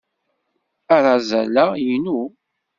Arazal-a inu.